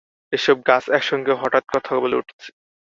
এইসব গাছ একসঙ্গে হঠাৎ কথা বলে উঠছে।